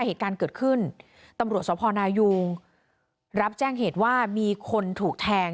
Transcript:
เหตุการณ์เกิดขึ้นตำรวจสพนายุงรับแจ้งเหตุว่ามีคนถูกแทง